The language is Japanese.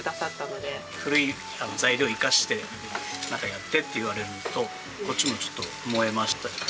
古い材料を生かしてなんかやってって言われるとこっちもちょっと燃えましたよね。